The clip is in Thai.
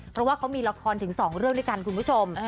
เพราะว่าเขามีละครถึง๒เรื่องด้วยกันคุณผู้ชม